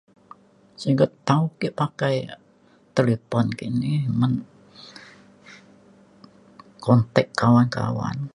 singget tau ke pakai talipon ke ni men contact kawan kawan